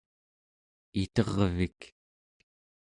itervik